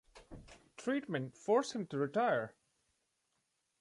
Treatment forced him to retire.